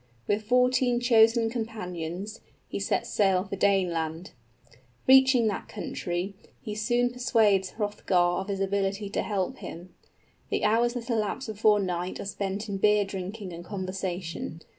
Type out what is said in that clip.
With fourteen chosen companions, he sets sail for Dane land. Reaching that country, he soon persuades Hrothgar of his ability to help him. The hours that elapse before night are spent in beer drinking and conversation.